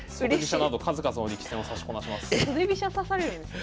袖飛車指されるんですね。